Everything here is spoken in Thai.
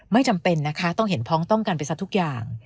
ไม่จำเป็นนะคะต้องเห็นพ้องต้องกันไปซะทุกอย่าง